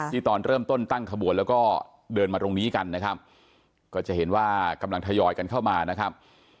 ตอนเริ่มต้นตั้งขบวนแล้วก็เดินมาตรงนี้กันนะครับก็จะเห็นว่ากำลังทยอยกันเข้ามานะครับ